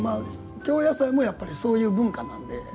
京野菜も、やっぱりそういう文化なんで。